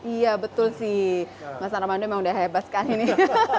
iya betul sih mas armando memang udah hebat sekali nih